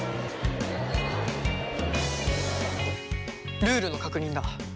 ルールの確認だ。